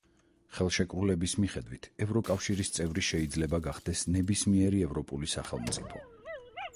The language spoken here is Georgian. ხელშეკრულების მიხედვით ევროკავშირის წევრი შეიძლება გახდეს ნებისმიერი ევროპული სახელმწიფო.